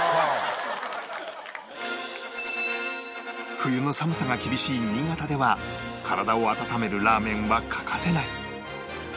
冬の寒さが厳しい新潟では体を温めるラーメンは欠かせない